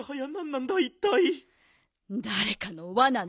だれかのわなね。